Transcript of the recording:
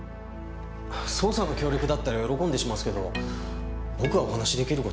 捜査の協力だったら喜んでしますけど僕がお話しできる事はもう全部。